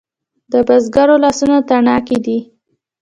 د بزګر لاسونه تڼاکې دي؟